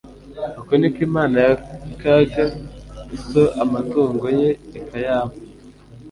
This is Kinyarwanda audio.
Uko ni ko Imana yakaga so amatungo ye ikayampa